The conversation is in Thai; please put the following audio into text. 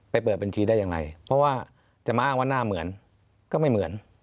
เปิดบัญชีได้ยังไงเพราะว่าจะมาอ้างว่าหน้าเหมือนก็ไม่เหมือน